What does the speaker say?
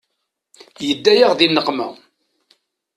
Yedda-yaɣ di nneqma.